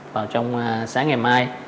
vào trong sáng ngày mai